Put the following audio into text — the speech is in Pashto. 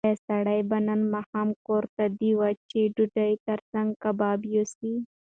ایا سړی به نن ماښام کور ته د وچې ډوډۍ تر څنګ کباب یوسي؟